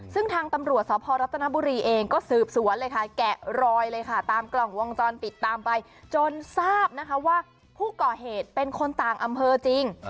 ซึ่งทางตำรวจสพรัฐนบุรีเองก็สืบสวนเลยค่ะแกะรอยเลยค่ะตามกล้องวงจรปิดตามไปจนทราบนะคะว่าผู้ก่อเหตุเป็นคนต่างอำเภอจริง